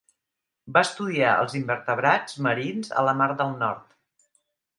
Va estudiar els invertebrats marins a la Mar del Nord.